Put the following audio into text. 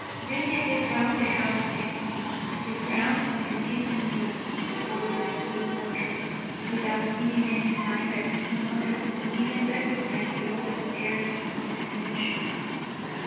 "Bring it round the house, then, to the ground under this window," ordered Sweetwater, without giving any sign that he noticed or even recognised the other's air of condescension.